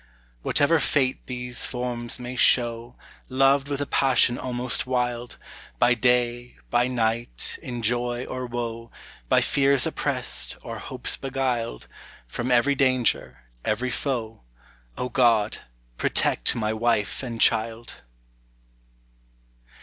Whatever fate these forms may show, Loved with a passion almost wild, By day, by night, in joy or woe, By fears oppressed, or hopes beguiled, From every danger, every foe, O God, protect my wife and child!